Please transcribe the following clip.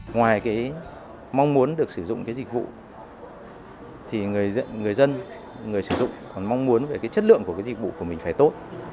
ngoài mong muốn được sử dụng dịch vụ người dân người sử dụng còn mong muốn chất lượng dịch vụ của mình phải tốt